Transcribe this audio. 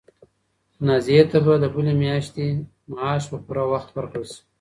نازیې ته به د بلې میاشتې معاش په پوره وخت ورکړل شي.